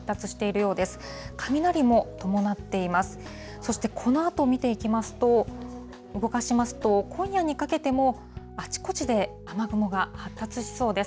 そしてこのあと見ていきますと、動かしますと、今夜にかけても、あちこちで雨雲が発達しそうです。